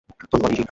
ধন্যবাদ, ইযি।